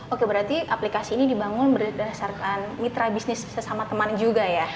oke berarti aplikasi ini dibangun berdasarkan mitra bisnis sesama teman juga ya